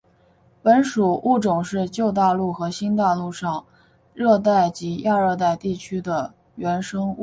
本属物种是旧大陆和新大陆上热带及亚热带地区的原生物种。